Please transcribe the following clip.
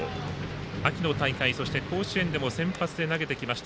秋の大会そして甲子園でも先発で投げてきました